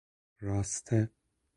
راسته